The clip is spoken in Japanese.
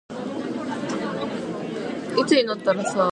電車の音が遠くで途切れた。